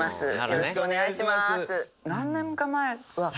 よろしくお願いします。